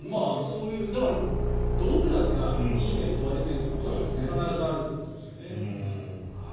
だから道具だからいい面と悪い面が必ずあるっていうことですよね。